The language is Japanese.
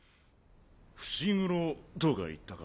伏黒とかいったか？